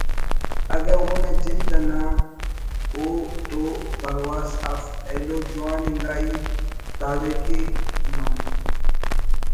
اگہ اونا جند انا ءُ تو پرواس اف ایلو جوان انگا ہیت دادے کہ نم